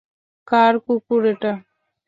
কার কুকুর এটা?